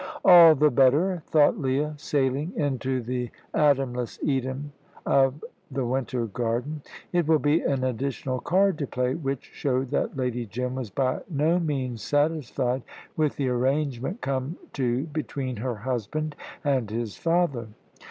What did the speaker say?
"All the better," thought Leah, sailing into the Adamless Eden of the winter garden; "it will be an additional card to play" which showed that Lady Jim was by no means satisfied with the arrangement come to between her husband and his father.